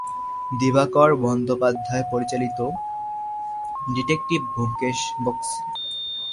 দিবাকর বন্দ্যোপাধ্যায় পরিচালিত "ডিটেকটিভ ব্যোমকেশ বক্সী!"